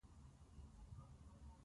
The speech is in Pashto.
جهاني صاحب پر قلم مو برکت شه.